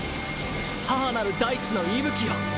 母なる大地の息吹よ